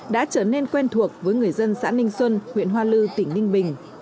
đã trở nên quen thuộc với người dân xã ninh xuân huyện hoa lư tỉnh ninh bình